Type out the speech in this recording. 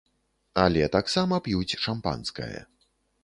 Але таксама п'юць шампанскае.